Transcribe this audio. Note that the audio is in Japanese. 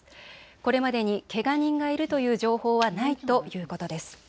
これまでにけが人がいるという情報はないということです。